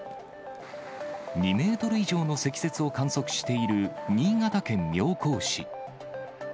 ２メートル以上の積雪を観測している新潟県妙高市。